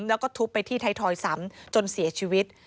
แล้วก็ทุบไปที่ไทยทอยซ้ำจนเสียชีวิต